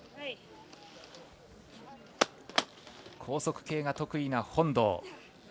高速系が得意な本堂。